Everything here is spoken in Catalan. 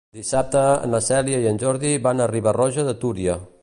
Dissabte na Cèlia i en Jordi van a Riba-roja de Túria.